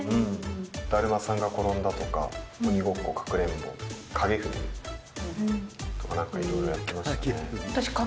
だるまさんが転んだとか、鬼ごっこ、かくれんぼ、影踏みとかなんかいろいろやってましたね。